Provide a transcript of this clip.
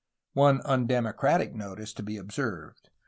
One undemocratic note is to be observed.